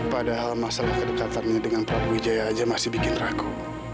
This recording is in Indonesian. padahal masalah kedekatannya dengan prawijaya aja masih bikin ragu